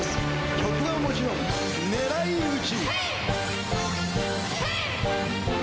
曲はもちろん『狙いうち』！